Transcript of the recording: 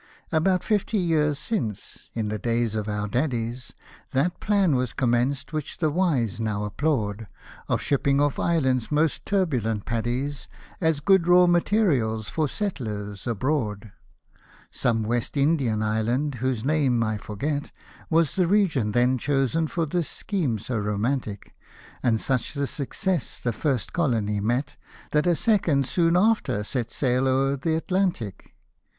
About fifty years since, in the days of our daddies, That plan was commenced which the wise now applaud, Of shipping off Ireland's most turbulent Paddies, As <?ood raw materials for seitle7's. abroad. Was the region then chosen for this scheme so romantic ; And such the success the first colony met, That a second, soon after, set sail o'er th' Atlantic.